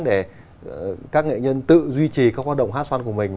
để các nghệ nhân tự duy trì các hoạt động hát xoan của mình